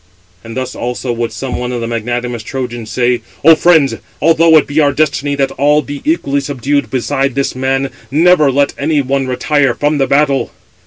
And thus also would some one of the magnanimous Trojans say: "Ο friends, although it be our destiny that all be equally subdued beside this man, never let any one retire from the battle."